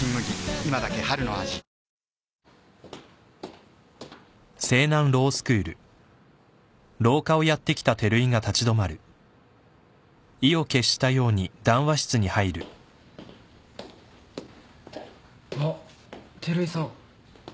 今だけ春の味あっ照井さん。